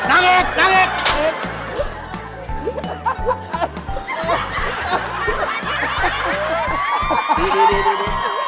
อาคัลหลัง